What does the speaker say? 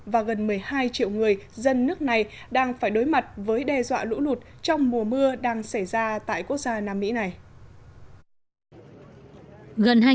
và gần một mươi hai triệu người dân nước này đang phải đối mặt với đe dọa lũ lụt trong mùa mưa đang xảy ra tại quốc gia nam mỹ này